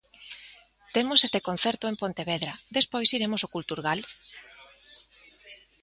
Temos este concerto en Pontevedra, despois iremos ao Culturgal.